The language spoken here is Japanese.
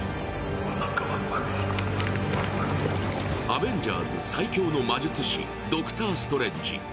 アベンジャーズ最強の魔術師、ドクター・ストレンジ。